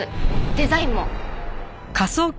デザインも。